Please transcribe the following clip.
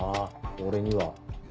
俺には。